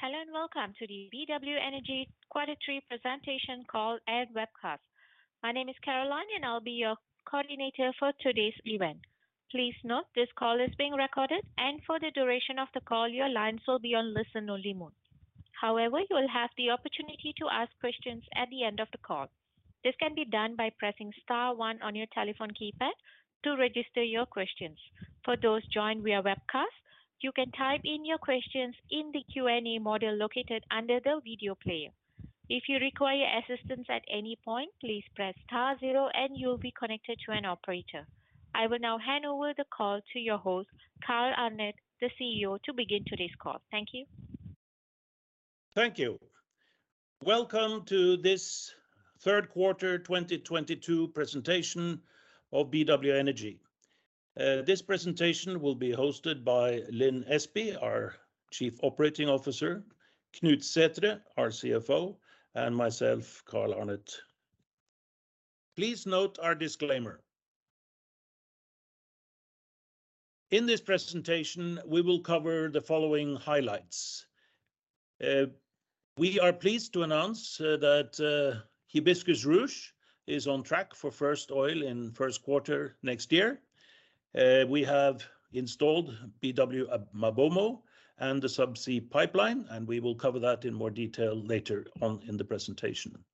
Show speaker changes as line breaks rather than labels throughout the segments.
Hello and welcome to the BW Energy Quarter Three Presentation Call and Webcast. My name is Caroline, and I'll be your coordinator for today's event. Please note this call is being recorded, and for the duration of the call your lines will be on listen-only mode. However, you will have the opportunity to ask questions at the end of the call. This can be done by pressing star one on your telephone keypad to register your questions. For those joined via webcast, you can type in your questions in the Q&A module located under the video player. If you require assistance at any point, please press star zero and you'll be connected to an operator. I will now hand over the call to your host, Carl Arnet, the CEO, to begin today's call. Thank you.
Thank you. Welcome to this third quarter 2022 presentation of BW Energy. This presentation will be hosted by Lin Espey, our Chief Operating Officer, Knut Sæthre, our CFO, and myself, Carl Arnet. Please note our disclaimer. In this presentation, we will cover the following highlights. We are pleased to announce that Hibiscus / Ruche is on track for first oil in first quarter next year. We have installed BW MaBoMo and the subsea pipeline, and we will cover that in more detail later on in the presentation.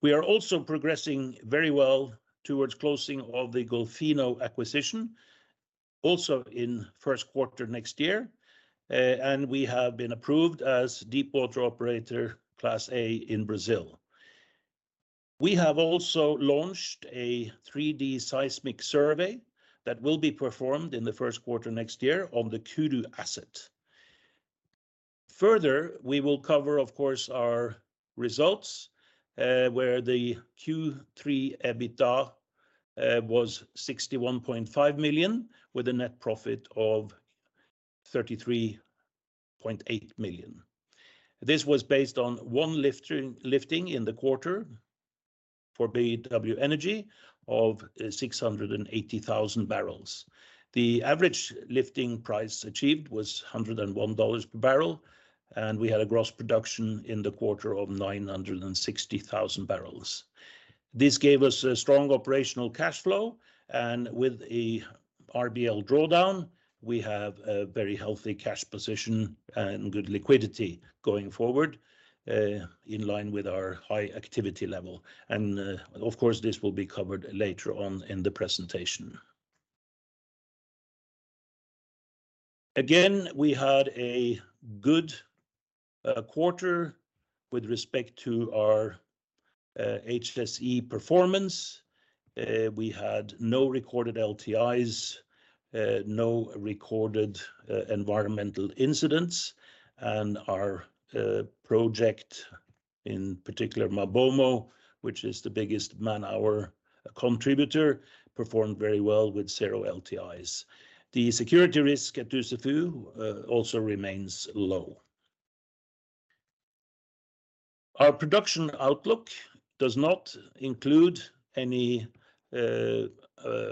We are also progressing very well towards closing of the Golfinho acquisition, also in first quarter next year. We have been approved as deepwater operator Class A in Brazil. We have also launched a 3D seismic survey that will be performed in the first quarter next year on the Kudu asset. Further, we will cover, of course, our results where the Q3 EBITDA was $61.5 million, with a net profit of $33.8 million. This was based on one lifting in the quarter for BW Energy of 680,000 bbl. The average lifting price achieved was $101 per bbl, and we had a gross production in the quarter of 960,000 bbl. This gave us a strong operational cash flow and with a RBL drawdown, we have a very healthy cash position and good liquidity going forward in line with our high activity level. Of course this will be covered later on in the presentation. Again, we had a good quarter with respect to our HSE performance. We had no recorded LTIs, no recorded environmental incidents, and our project in particular MaBoMo, which is the biggest man-hour contributor, performed very well with zero LTIs. The security risk at Dussafu also remains low. Our production outlook does not include any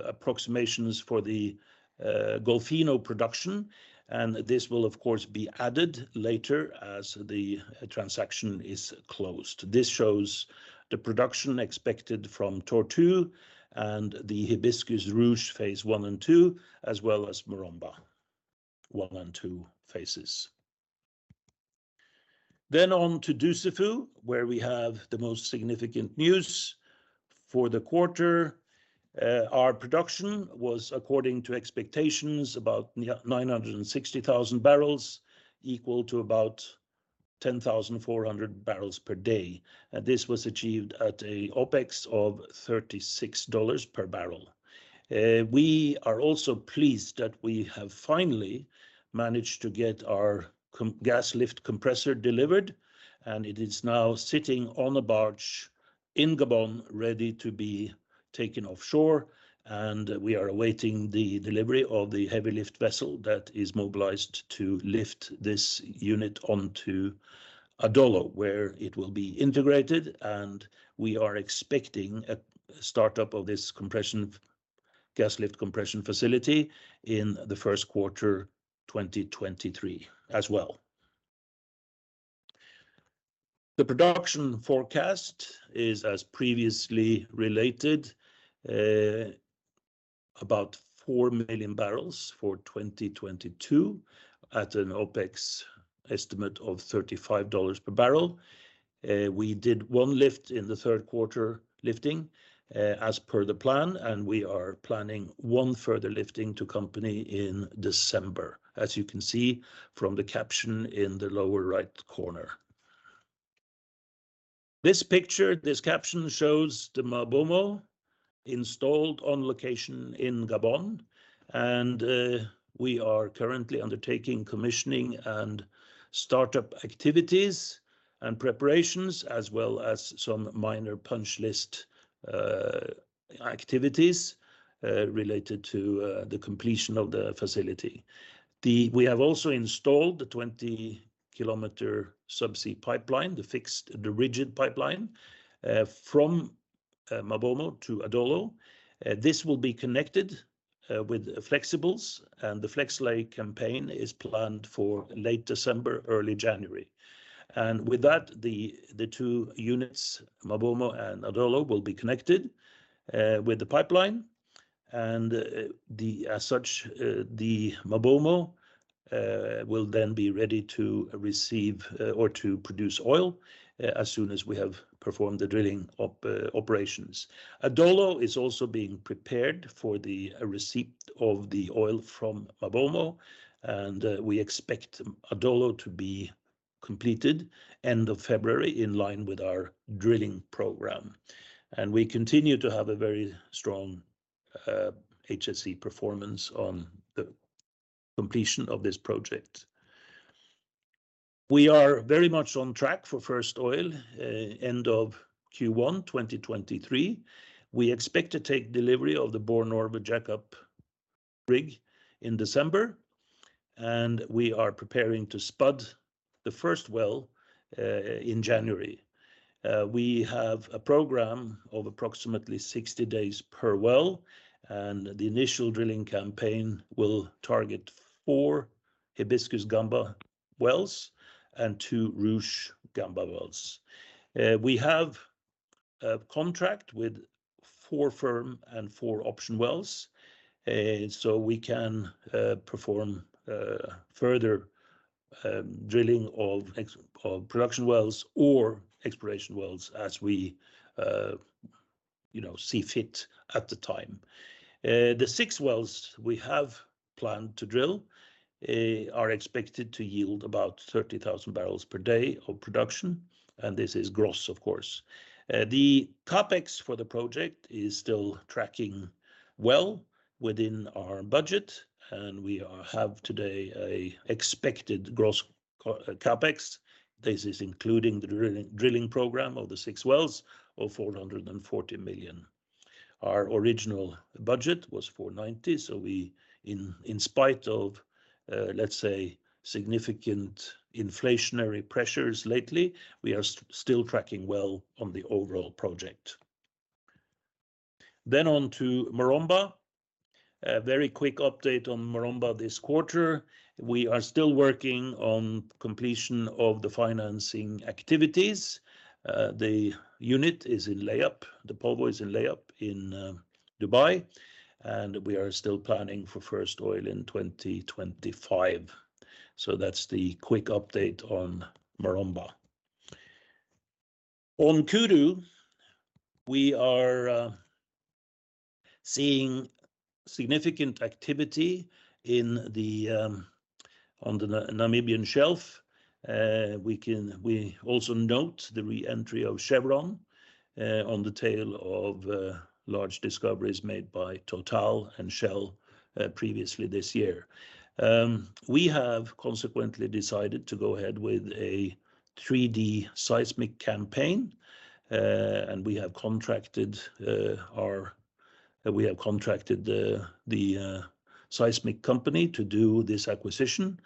approximations for the Golfinho production, and this will of course be added later as the transaction is closed. This shows the production expected from Tortue and the Hibiscus / Ruche phase one and two, as well as Maromba one and two phases. On to Dussafu, where we have the most significant news for the quarter. Our production was according to expectations about 960,000 bbl equal to about 10,400 bbl per day. This was achieved at a OpEx of $36 per barrel. We are also pleased that we have finally managed to get our gas lift compressor delivered and it is now sitting on a barge in Gabon ready to be taken offshore, and we are awaiting the delivery of the heavy lift vessel that is mobilized to lift this unit onto Adolo, where it will be integrated and we are expecting a startup of this gas lift compression facility in the first quarter 2023 as well. The production forecast is as previously related, about 4 million bbl for 2022 at an OpEx estimate of $35 per barrel. We did one lift in the third quarter lifting, as per the plan, and we are planning one further lifting to company in December, as you can see from the caption in the lower right corner. This picture, this caption shows the MaBoMo installed on location in Gabon. We are currently undertaking commissioning and startup activities and preparations as well as some minor punch list activities related to the completion of the facility. We have also installed the 20 km subsea pipeline, the rigid pipeline from MaBoMo to Adolo. This will be connected with flexibles, and the flex-lay campaign is planned for late December, early January. With that, the two units, MaBoMo and Adolo, will be connected with the pipeline. As such, the MaBoMo will then be ready to receive or to produce oil as soon as we have performed the drilling operations. Adolo is also being prepared for the receipt of the oil from MaBoMo, and we expect Adolo to be completed end of February in line with our drilling program. We continue to have a very strong HSE performance on the completion of this project. We are very much on track for first oil end of Q1 2023. We expect to take delivery of the Borr Norve jackup rig in December, and we are preparing to spud the first well in January. We have a program of approximately 60 days per well, and the initial drilling campaign will target four Hibiscus Gamba wells and two Ruche Gamba wells. We have a contract with four firm and four option wells so we can perform further drilling of production wells or exploration wells as we, you know, see fit at the time. The six wells we have planned to drill are expected to yield about 30,000 bbl per day of production, and this is gross, of course. The CapEx for the project is still tracking well within our budget, and we have today a expected gross CapEx. This is including the drilling program of the six wells of $440 million. Our original budget was $490, so we, in spite of, let's say, significant inflationary pressures lately, we are still tracking well on the overall project. On to Maromba. A very quick update on Maromba this quarter. We are still working on completion of the financing activities. The unit is in layup. The Polvo is in layup in Dubai, and we are still planning for first oil in 2025. That's the quick update on Maromba. On Kudu, we are seeing significant activity on the Namibian shelf. We also note the re-entry of Chevron on the tail of large discoveries made by Total and Shell previously this year. We have consequently decided to go ahead with a 3D seismic campaign, and we have contracted the seismic company to do this acquisition.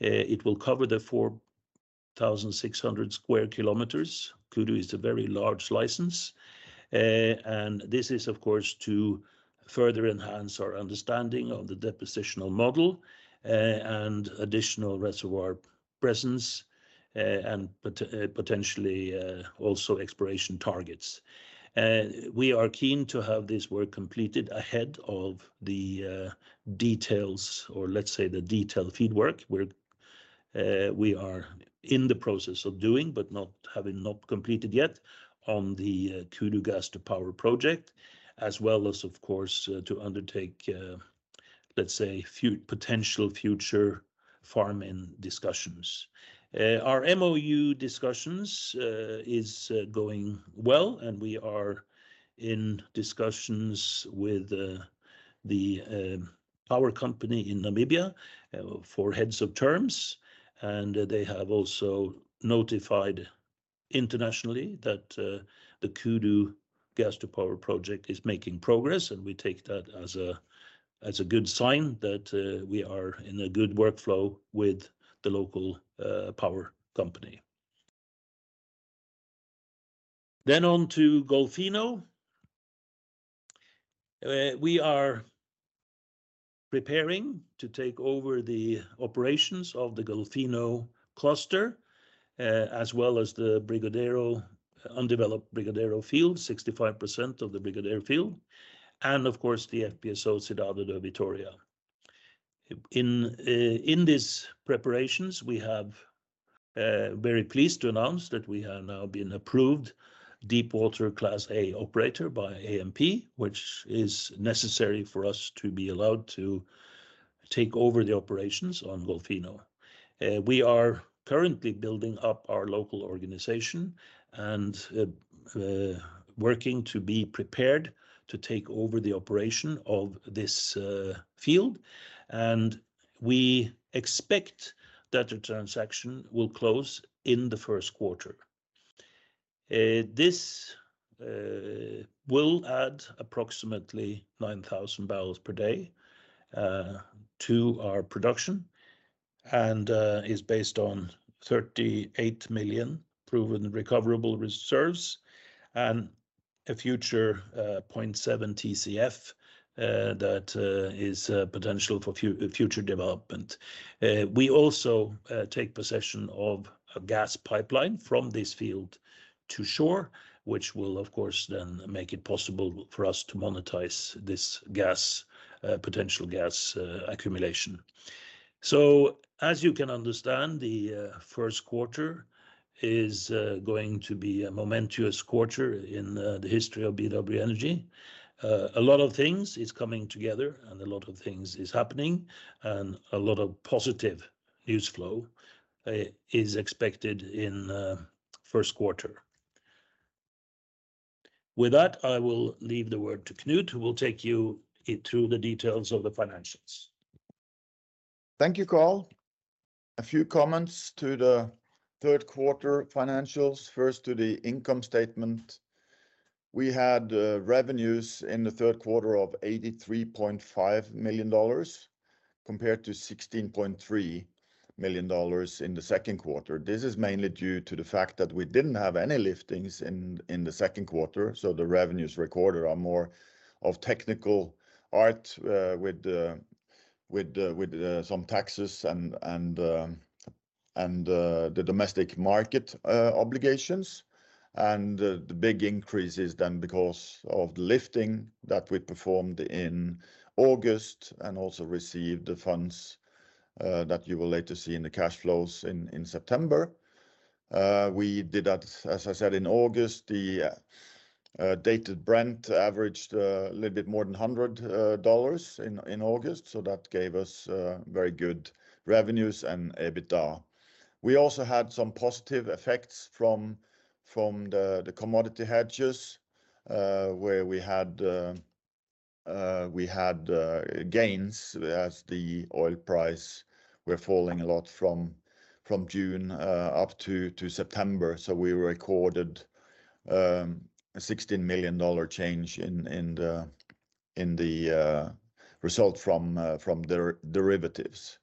It will cover the 4,600 sq km. Kudu is a very large license. This is of course to further enhance our understanding of the depositional model and additional reservoir presence and potentially also exploration targets. We are keen to have this work completed ahead of the details or let's say the detailed FEED work. We are in the process of doing but having not completed yet on the Kudu gas-to-power project, as well as of course to undertake let's say potential future farm-in discussions. Our MoU discussions is going well, and we are in discussions with the power company in Namibia for heads of terms. They have also notified internationally that the Kudu gas-to-power project is making progress, and we take that as a good sign that we are in a good workflow with the local power company. On to Golfinho. We are preparing to take over the operations of the Golfinho cluster, as well as the undeveloped Brigadeiro field, 65% of the Brigadeiro field, and of course the FPSO Cidade de Vitoria. In these preparations, very pleased to announce that we have now been approved Deepwater Class A operator by ANP, which is necessary for us to be allowed to take over the operations on Golfinho. We are currently building up our local organization and working to be prepared to take over the operation of this field. We expect that the transaction will close in the first quarter. This will add approximately 9,000 bbl per day to our production. Is based on 38 million proven recoverable reserves and a future 0.7 TCF that is potential for future development. We also take possession of a gas pipeline from this field to shore, which will of course then make it possible for us to monetize this gas, potential gas accumulation. As you can understand, the first quarter is going to be a momentous quarter in the history of BW Energy. A lot of things is coming together and a lot of things is happening, and a lot of positive news flow is expected in first quarter. With that, I will leave the word to Knut, who will take you through the details of the financials.
Thank you, Carl. A few comments to the third quarter financials. First to the income statement. We had revenues in the third quarter of $83.5 million compared to $16.3 million in the second quarter. This is mainly due to the fact that we didn't have any liftings in the second quarter, so the revenues recorded are more of technical nature with some taxes and the domestic market obligations. The big increase is then because of the lifting that we performed in August and also received the funds that you will later see in the cash flows in September. We did that, as I said, in August. The Dated Brent averaged a little bit more than $100 in August, so that gave us very good revenues and EBITDA. We also had some positive effects from the commodity hedges where we had gains as the oil price were falling a lot from June up to September. We recorded a $16 million change in the result from derivatives.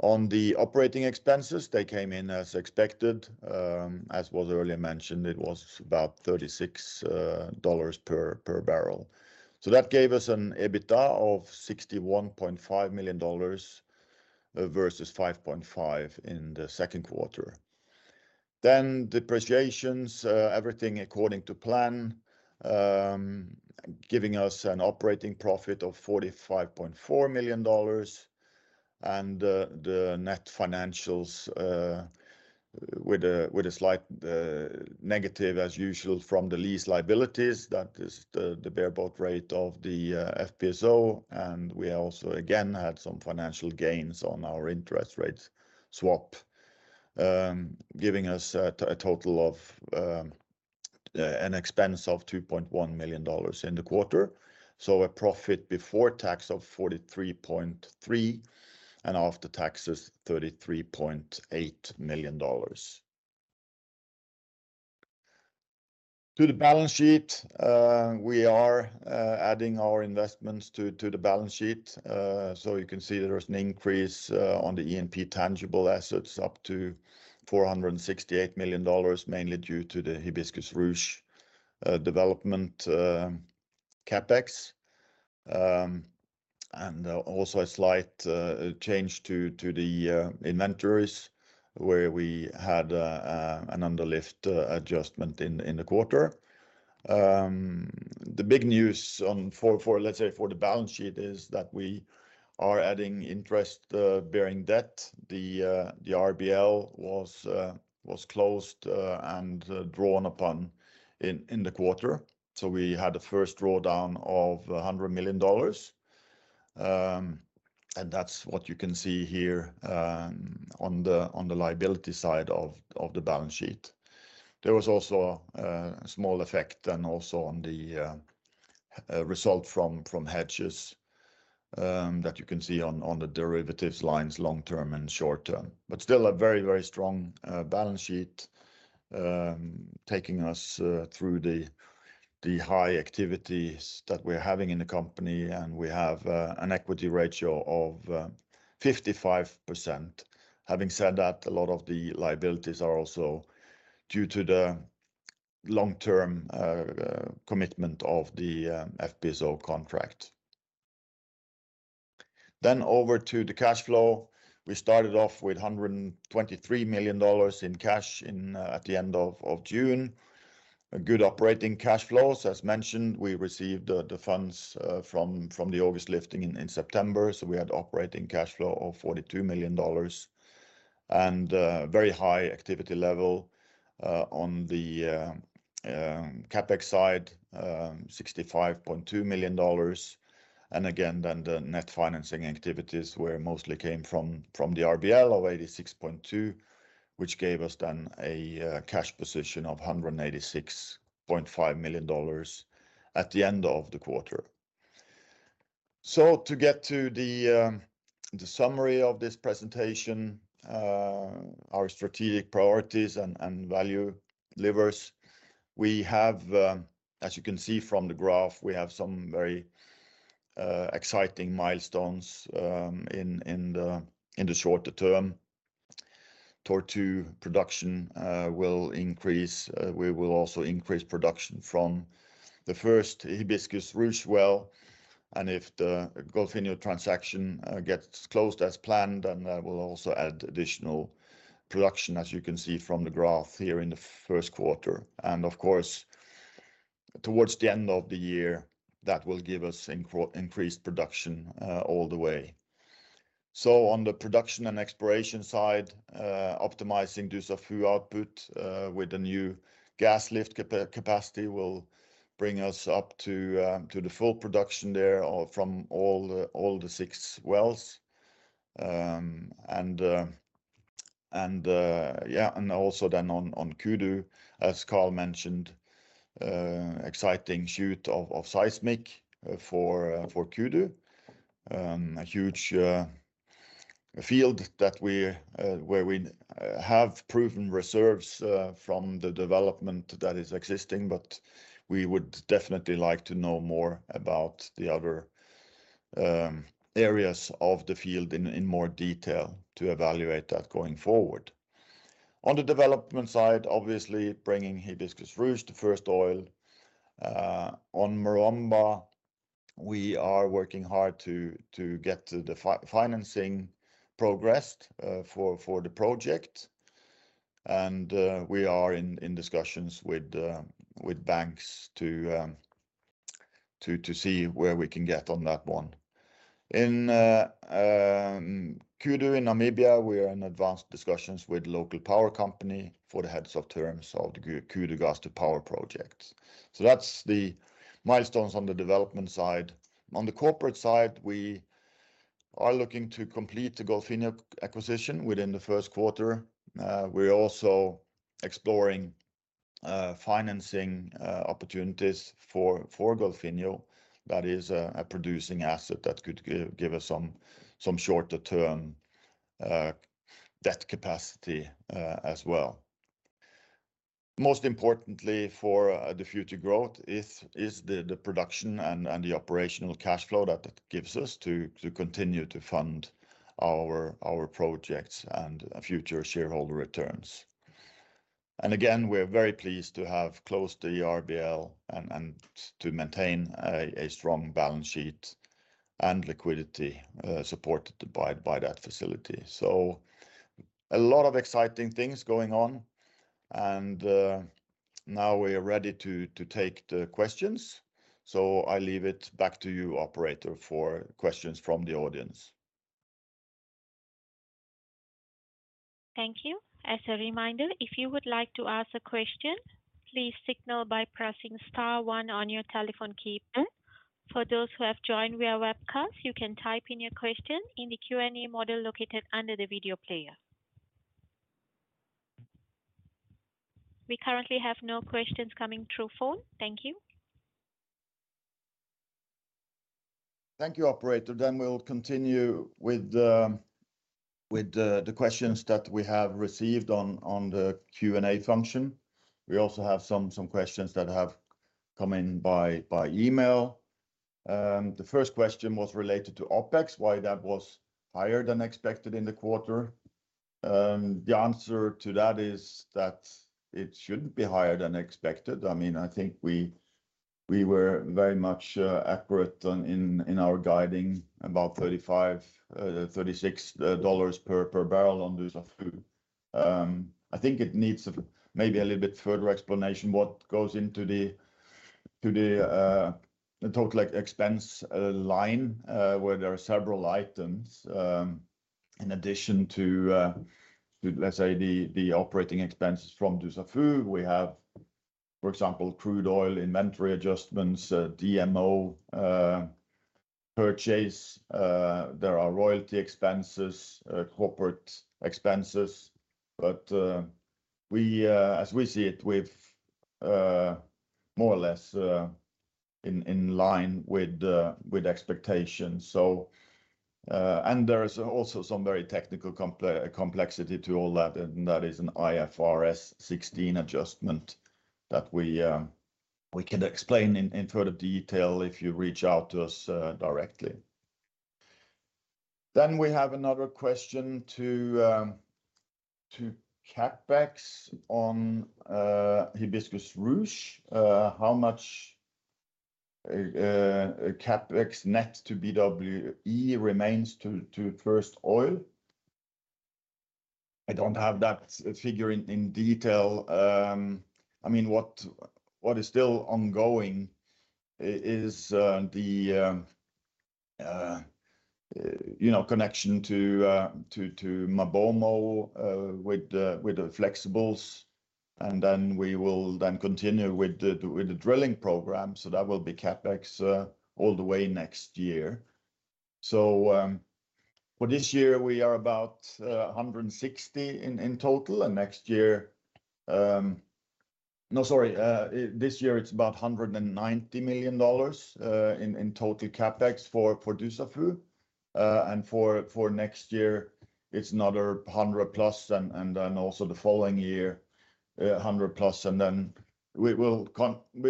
On the operating expenses, they came in as expected, as was earlier mentioned. It was about $36 per barrel. That gave us an EBITDA of $61.5 million versus $5.5 million in the second quarter. Depreciations, everything according to plan, giving us an operating profit of $45.4 million. The net financials with a slight negative as usual from the lease liabilities. That is the bareboat rate of the FPSO. We also again had some financial gains on our interest rate swap, giving us a total of an expense of $2.1 million in the quarter. A profit before tax of $43.3 million, and after taxes, $33.8 million. To the balance sheet, we are adding our investments to the balance sheet. You can see there's an increase on the E&P tangible assets up to $468 million, mainly due to the Hibiscus / Ruche development CapEx. Also a slight change to the inventories where we had an underlift adjustment in the quarter. The big news, let's say, for the balance sheet is that we are adding interest-bearing debt. The RBL was closed and drawn upon in the quarter. We had a first drawdown of $100 million, and that's what you can see here on the liability side of the balance sheet. There was also a small effect then also on the result from hedges that you can see on the derivatives lines long-term and short-term. Still a very, very strong balance sheet taking us through the high activities that we're having in the company, and we have an equity ratio of 55%. Having said that, a lot of the liabilities are also due to the long-term commitment of the FPSO contract. Over to the cash flow. We started off with $123 million in cash at the end of June. A good operating cash flows. As mentioned, we received the funds from the August lifting in September, so we had operating cash flow of $42 million. Very high activity level on the CapEx side, $65.2 million. Again, then the net financing activities mostly came from the RBL of $86.2, which gave us then a cash position of $186.5 million at the end of the quarter. To get to the summary of this presentation, our strategic priorities and value levers. We have, as you can see from the graph, we have some very exciting milestones in the shorter term. Tortue production will increase. We will also increase production from the first Hibiscus / Ruche well, and if the Golfinho transaction gets closed as planned, then that will also add additional production as you can see from the graph here in the first quarter. Of course, towards the end of the year, that will give us increased production all the way. On the production and exploration side, optimizing Dussafu output with the new gas lift capacity will bring us up to the full production there or from all the six wells. Yeah, on Kudu, as Carl mentioned, exciting shoot of seismic for Kudu. A huge field where we have proven reserves from the development that is existing, but we would definitely like to know more about the other areas of the field in more detail to evaluate that going forward. On the development side, obviously bringing Hibiscus / Ruche to first oil. On Maromba we are working hard to get the financing progressed for the project and we are in discussions with banks to see where we can get on that one. In Kudu in Namibia, we are in advanced discussions with local power company for the heads of terms of the Kudu gas-to-power projects. That's the milestones on the development side. On the corporate side, we are looking to complete the Golfinho acquisition within the first quarter. We are also exploring financing opportunities for Golfinho that is a producing asset that could give us some shorter term debt capacity as well. Most importantly for the future growth is the production and the operational cash flow that it gives us to continue to fund our projects and future shareholder returns. Again, we are very pleased to have closed the RBL and to maintain a strong balance sheet and liquidity supported by that facility. A lot of exciting things going on and now we are ready to take the questions. I leave it back to you, Operator, for questions from the audience.
Thank you. As a reminder, if you would like to ask a question, please signal by pressing star one on your telephone keypad. For those who have joined via webcast, you can type in your question in the Q&A module located under the video player. We currently have no questions coming through phone. Thank you.
Thank you operator. We'll continue with the questions that we have received on the Q&A function. We also have some questions that have come in by email. The first question was related to OpEx, why that was higher than expected in the quarter. The answer to that is that it shouldn't be higher than expected. I mean, I think we were very much accurate in our guiding about $35-$36 per barrel on Dussafu. I think it needs maybe a little bit further explanation what goes into the total like expense line where there are several items in addition to let's say the operating expenses from Dussafu. We have, for example, crude oil inventory adjustments, DMO purchase, there are royalty expenses, corporate expenses. We, as we see it, we've more or less in line with expectations. There is also some very technical complexity to all that, and that is an IFRS 16 adjustment that we can explain in further detail if you reach out to us directly. We have another question to CapEx on Hibiscus / Ruche. How much CapEx net to BWE remains to first oil? I don't have that figure in detail. I mean, what is still ongoing is the, you know, connection to MaBoMo with the flexibles, and then we will then continue with the drilling program. That will be CapEx all the way next year. For this year we are about $160 in total. This year it is about $190 million in total CapEx for Dussafu. For next year, it is another $100+ and also the following year, $100+. We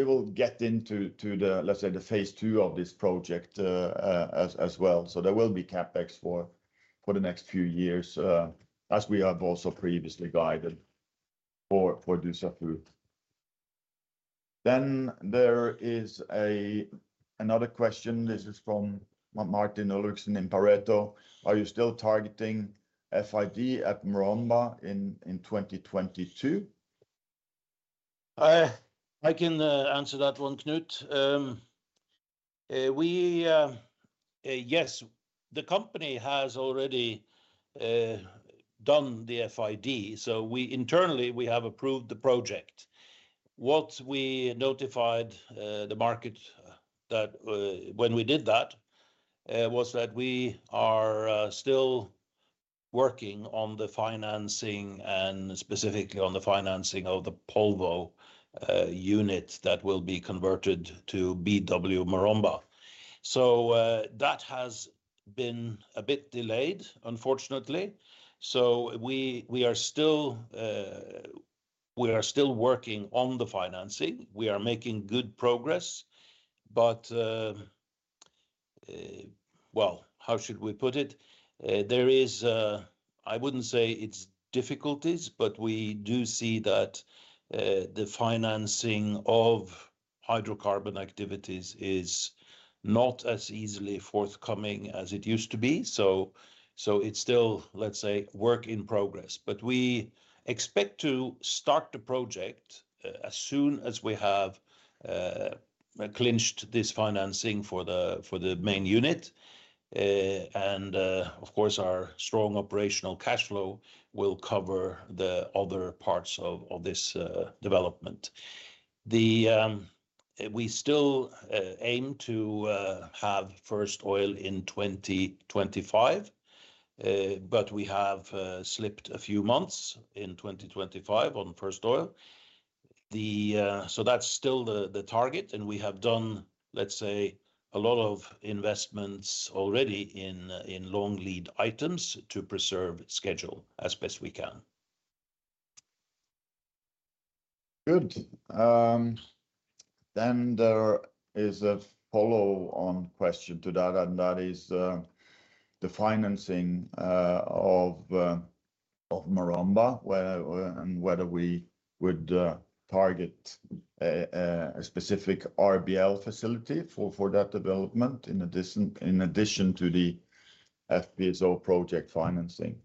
will get into the, let's say, the phase two of this project as well. There will be CapEx for the next few years as we have also previously guided for Dussafu. There is another question. This is from Martin Ulrichsen in Pareto. Are you still targeting FID at Maromba in 2022?
I can answer that one, Knut. Yes, the company has already done the FID. Internally, we have approved the project. What we notified the market when we did that was that we are still working on the financing and specifically on the financing of the Polvo unit that will be converted to BW Maromba. That has been a bit delayed, unfortunately. We are still working on the financing. We are making good progress. Well, how should we put it? There is, I wouldn't say it's difficulties, but we do see that the financing of hydrocarbon activities is not as easily forthcoming as it used to be. It's still, let's say, work in progress. We expect to start the project as soon as we have clinched this financing for the main unit. Of course, our strong operational cash flow will cover the other parts of this development. We still aim to have first oil in 2025. We have slipped a few months in 2025 on first oil. That's still the target, and we have done, let's say, a lot of investments already in long lead items to preserve schedule as best we can.
Good. There is a follow-on question to that, and that is the financing of Maromba and whether we would target a specific RBL facility for that development in addition to the FPSO project financing.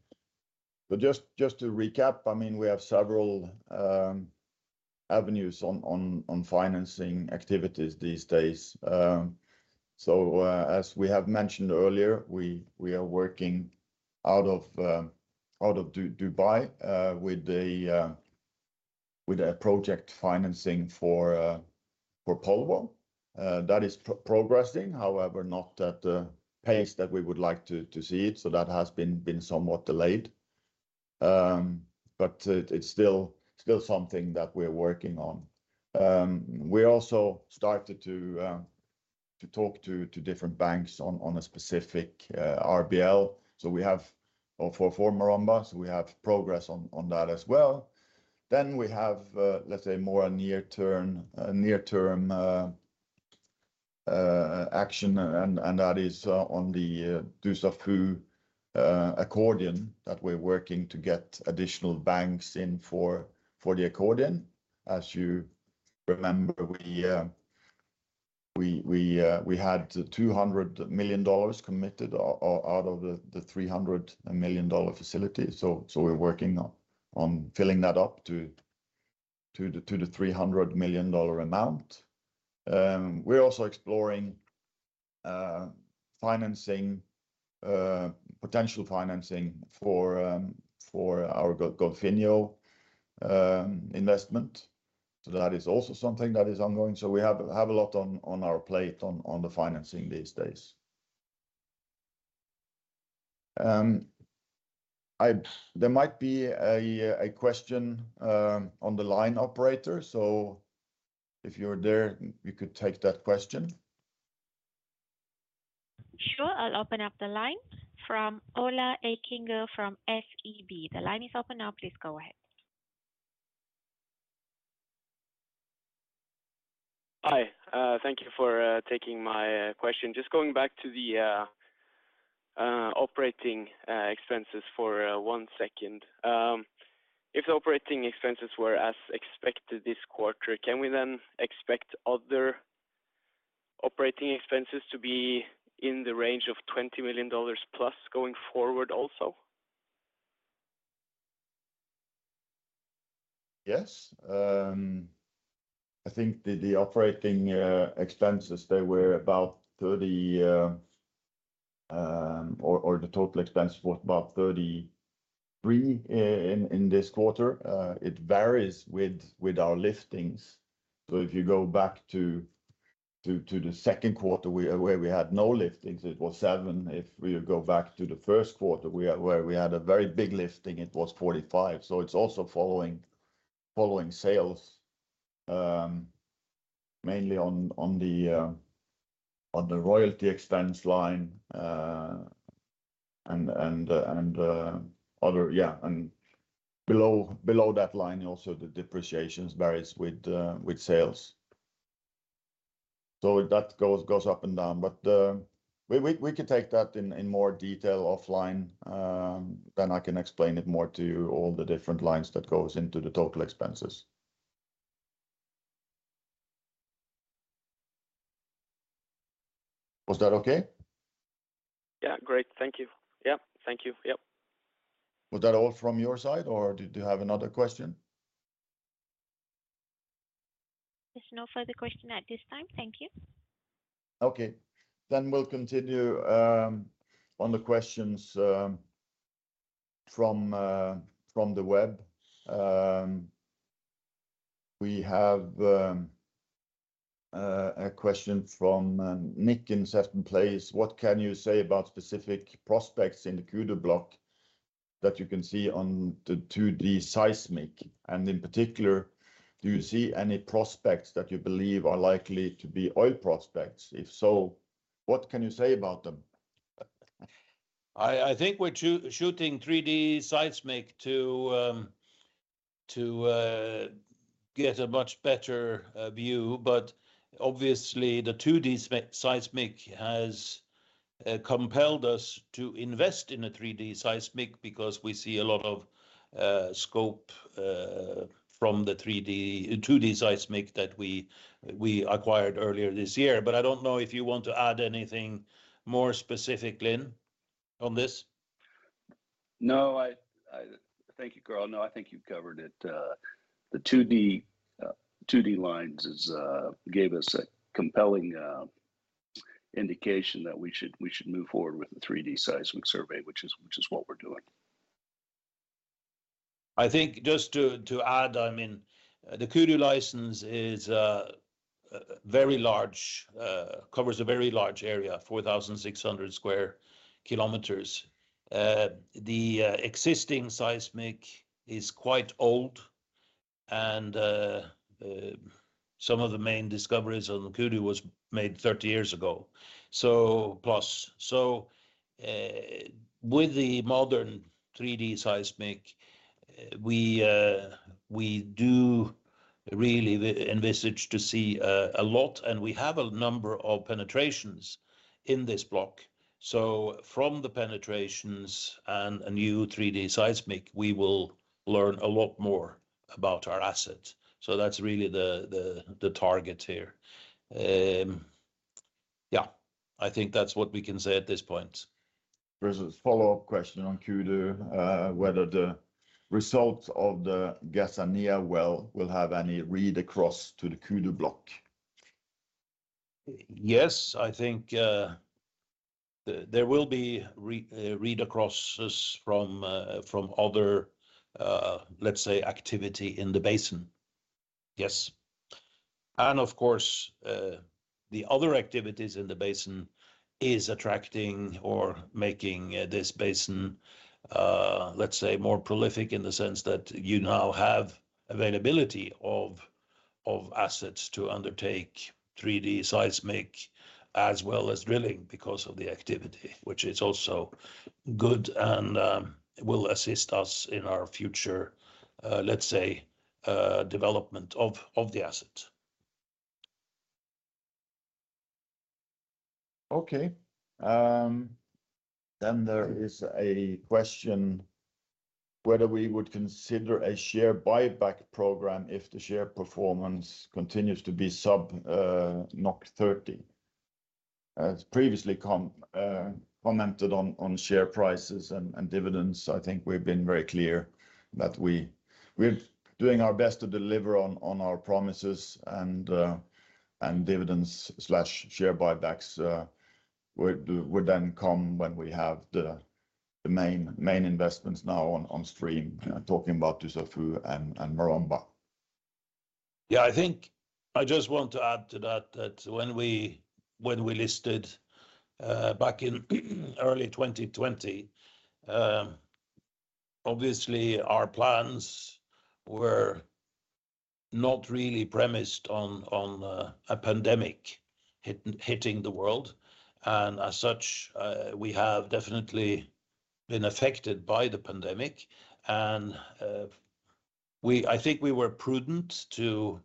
Just to recap, I mean, we have several avenues on financing activities these days. As we have mentioned earlier, we are working out of Dubai with a project financing for Polvo. That is progressing, however, not at the pace that we would like to see it, so that has been somewhat delayed. It's still something that we're working on. We also started to talk to different banks on a specific RBL. For Maromba, we have progress on that as well. We have, let's say, more a near-term action and that is on the Dussafu accordion that we're working to get additional banks in for the accordion. As you remember, we had $200 million committed out of the $300 million facility. We're working on filling that up to the $300 million amount. We're also exploring potential financing for our Golfinho investment. That is also something that is ongoing. We have a lot on our plate on the financing these days. There might be a question on the line, Operator. If you're there, you could take that question.
Sure. I'll open up the line from Ola Eikanger from SEB. The line is open now. Please go ahead.
Hi. Thank you for taking my question. Just going back to the operating expenses for one second. If the operating expenses were as expected this quarter, can we then expect other operating expenses to be in the range of $20 million+ going forward also?
Yes. I think the operating expenses, they were about $30 or the total expense was about $33 in this quarter. It varies with our lifting. If you go back to the second quarter where we had no liftings, it was $7. If we go back to the first quarter where we had a very big lifting, it was $45. It's also following sales, mainly on the royalty expense line and other. Yeah, and below that line also the depreciations varies with sales. That goes up and down. We can take that in more detail offline, then I can explain it more to you all the different lines that goes into the total expenses. Was that okay?
Yeah. Great. Thank you. Yeah. Thank you. Yep.
Was that all from your side, or did you have another question?
There's no further question at this time. Thank you.
Okay. We'll continue on the questions from the web. We have a question from Nick in seventh place. What can you say about specific prospects in the Kudu block that you can see on the 2D seismic? In particular, do you see any prospects that you believe are likely to be oil prospects? If so, what can you say about them?
I think we're shooting 3D seismic to get a much better view. Obviously, the 2D seismic has compelled us to invest in a 3D seismic because we see a lot of scope from the 2D seismic that we acquired earlier this year. I don't know if you want to add anything more specific, Lin, on this.
Thank you, Carl. No, I think you've covered it. The 2D lines gave us a compelling indication that we should move forward with the 3D seismic survey, which is what we're doing.
I think just to add, I mean, the Kudu license is very large, covers a very large area, 4,600 sq km. The existing seismic is quite old and some of the main discoveries on Kudu was made 30 years ago, plus. With the modern 3D seismic, we do really envisage to see a lot, and we have a number of penetrations in this block. From the penetrations and a new 3D seismic, we will learn a lot more about our assets. That's really the target here. Yeah, I think that's what we can say at this point.
There's a follow-up question on Kudu, whether the results of the Gazania-1 well will have any read-across to the Kudu block.
Yes. I think there will be read-acrosses from other, let's say, activity in the basin. Yes. Of course, the other activities in the basin is attracting or making this basin, let's say, more prolific in the sense that you now have availability of assets to undertake 3D seismic as well as drilling because of the activity, which is also good and will assist us in our future, let's say, development of the asset.
Okay. There is a question whether we would consider a share buyback program if the share performance continues to be sub 30. As previously commented on share prices and dividends, I think we've been very clear that we're doing our best to deliver on our promises and dividends/share buybacks would come when we have the main investments now on stream. Talking about Dussafu and Maromba.
Yeah. I think I just want to add to that when we listed back in early 2020, obviously our plans were not really premised on a pandemic hitting the world, and as such, we have definitely been affected by the pandemic and I think we were prudent to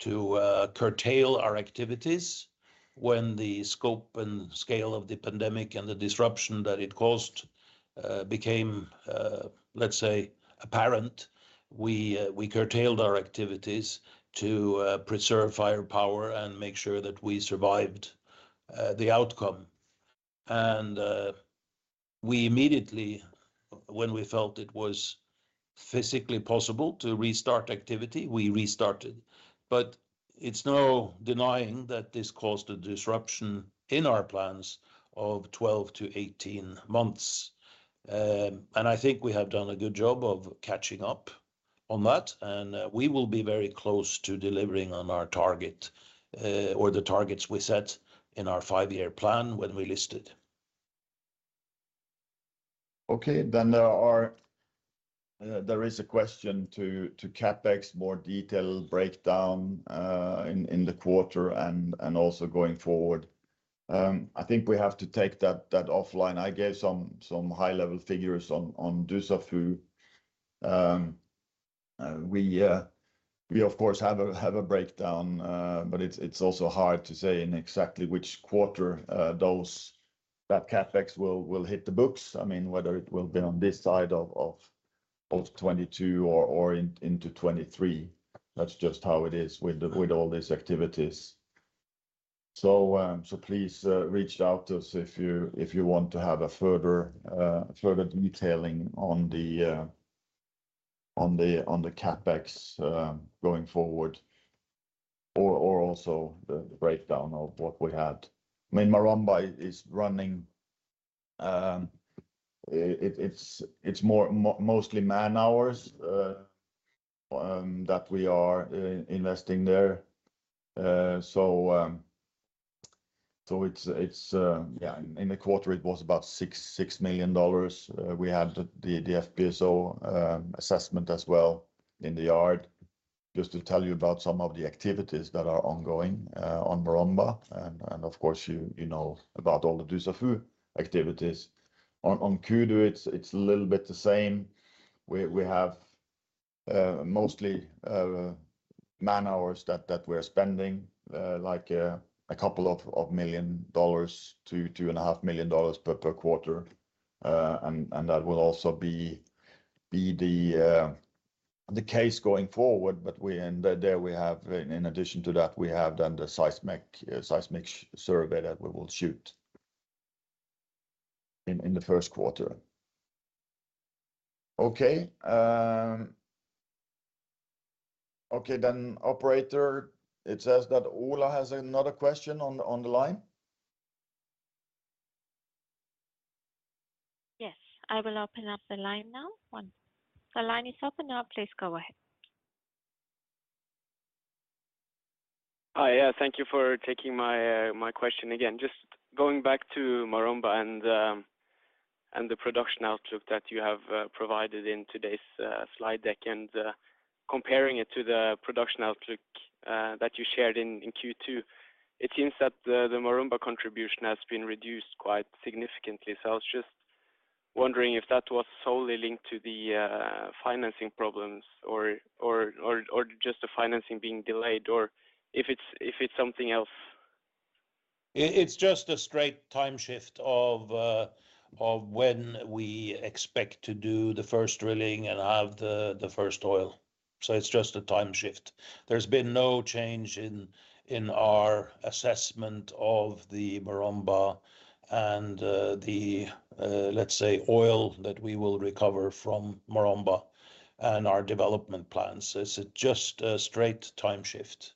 curtail our activities when the scope and scale of the pandemic and the disruption that it caused became, let's say, apparent. We curtailed our activities to preserve firepower and make sure that we survived the outcome. We immediately, when we felt it was physically possible to restart activity, we restarted. It's no denying that this caused a disruption in our plans of 12-18 months. I think we have done a good job of catching up on that, and we will be very close to delivering on our target or the targets we set in our five-year plan when we listed.
Okay. There is a question to CapEx more detailed breakdown in the quarter and also going forward. I think we have to take that offline. I gave some high-level figures on Dussafu. We of course have a breakdown, but it's also hard to say in exactly which quarter that CapEx will hit the books. I mean, whether it will be on this side of 2022 or into 2023. That's just how it is with all these activities. Please reach out to us if you want to have a further detailing on the CapEx going forward or also the breakdown of what we had. I mean, Maromba is running. It's mostly man-hours that we are investing there. Yeah, in the quarter it was about $6 million. We had the FPSO assessment as well in the yard. Just to tell you about some of the activities that are ongoing on Maromba and of course you know about all the Dussafu activities. On Kudu, it's a little bit the same. We have mostly man-hours that we're spending, like a couple of million dollars to two and a half million dollars per quarter. That will also be the case going forward. There we have, in addition to that, we have done the seismic survey that we will shoot in the first quarter. Okay. Okay, Operator, it says that Ola has another question on the line.
Yes. I will open up the line now. 1. The line is open now. Please go ahead.
Hiya. Thank you for taking my question again. Just going back to Maromba and the production outlook that you have provided in today's slide deck and comparing it to the production outlook that you shared in Q2, it seems that the Maromba contribution has been reduced quite significantly. I was just wondering if that was solely linked to the financing problems or just the financing being delayed or if it's something else.
I- it's just a straight time shift of, uh, of when we expect to do the first drilling and have the first oil. So it's just a time shift. There's been no change in our assessment of the Maromba and, uh, the, uh, let's say, oil that we will recover from Maromba and our development plans. It's, uh, just a straight time shift.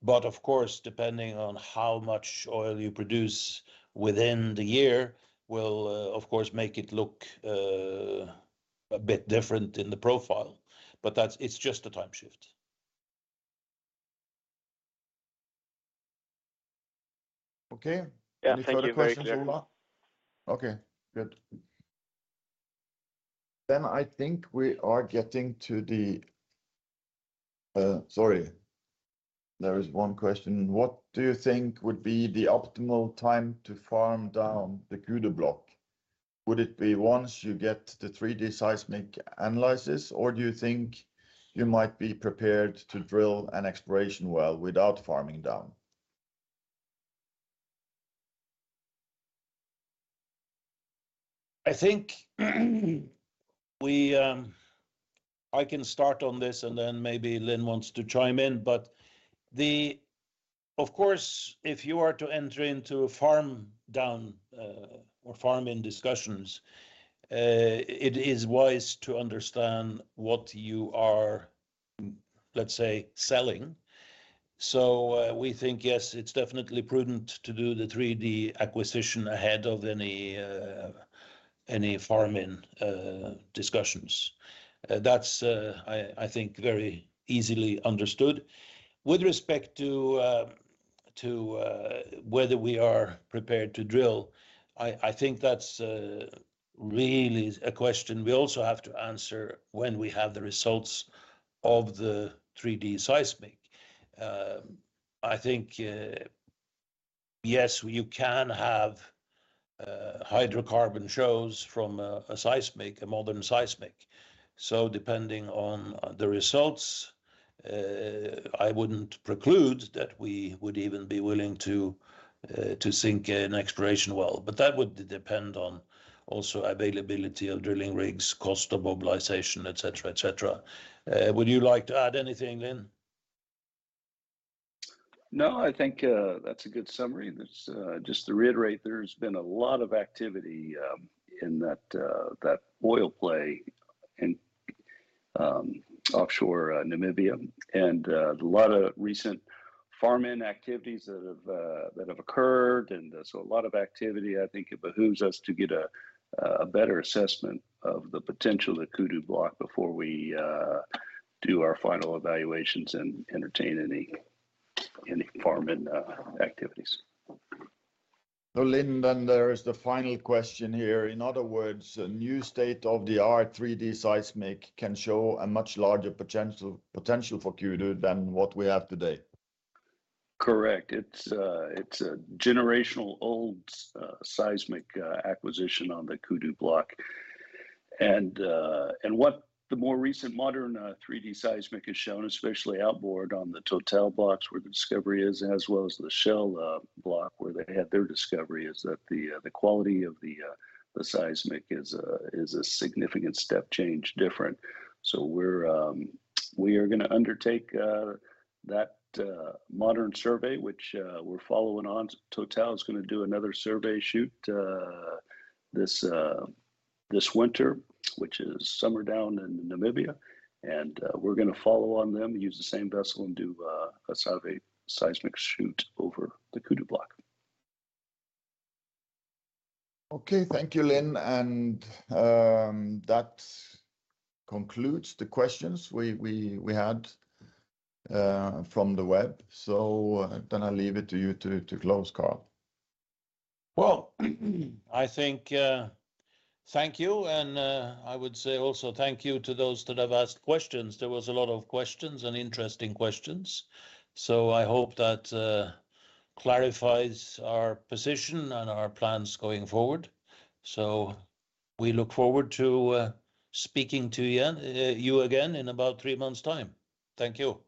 But of course, depending on how much oil you produce within the year will, uh, of course make it look, uh, a bit different in the profile. But that's... It's just a time shift.
Okay.
Yeah. Thank you. Very clear.
Any further questions, Ola? Okay, good. Sorry, there is one question. What do you think would be the optimal time to farm down the Kudu block? Would it be once you get the 3D seismic analysis, or do you think you might be prepared to drill an exploration well without farming down?
I think I can start on this and then maybe Lin wants to chime in. Of course, if you are to enter into a farm-down or farm-in discussions, it is wise to understand what you are, let's say, selling. We think, yes, it's definitely prudent to do the 3D acquisition ahead of any farm-in discussions. That's, I think very easily understood. With respect to whether we are prepared to drill, I think that's really a question we also have to answer when we have the results of the 3D seismic. I think, yes, you can have hydrocarbon shows from a seismic, a modern seismic. Depending on the results, I wouldn't preclude that we would even be willing to sink an exploration well, but that would depend on also availability of drilling rigs, cost of mobilization, et cetera, et cetera. Would you like to add anything, Lin?
No, I think that's a good summary. Just to reiterate, there's been a lot of activity in that oil play and offshore Namibia. A lot of recent farm-in activities that have occurred, and so a lot of activity. I think it behooves us to get a better assessment of the potential of the Kudu block before we do our final evaluations and entertain any farm-in activities.
Lin, then there is the final question here. In other words, a new state-of-the-art 3D seismic can show a much larger potential for Kudu than what we have today?
Correct. It's a generational old seismic acquisition on the Kudu block. What the more recent modern 3D seismic has shown, especially outboard on the Total blocks where the discovery is, as well as the Shell block where they had their discovery, is that the quality of the seismic is a significant step change different. We are gonna undertake that modern survey which we're following on. Total's gonna do another survey shoot this winter, which is summer down in Namibia, and we're gonna follow on them, use the same vessel, and do a survey seismic shoot over the Kudu block.
Okay, thank you, Lin, and that concludes the questions we had from the web. I leave it to you to close, Carl.
Well, I think thank you. I would say also thank you to those that have asked questions. There was a lot of questions and interesting questions. I hope that clarifies our position and our plans going forward. We look forward to speaking to you again in about three months' time. Thank you.